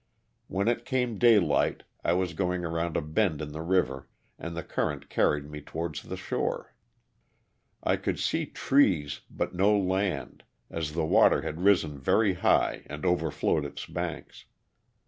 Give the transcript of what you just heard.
When it came daylight I was going around a bend in the river and the current carried me towards the shore. I could see trees but no land, as the water had risen very high and overflowed its banks.